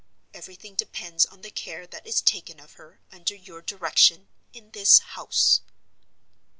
Everything depends on the care that is taken of her, under your direction, in this house."